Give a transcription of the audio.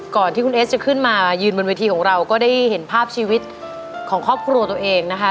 ก่อนที่คุณเอสจะขึ้นมายืนบนเวทีของเราก็ได้เห็นภาพชีวิตของครอบครัวตัวเองนะคะ